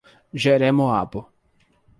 Jeremoabo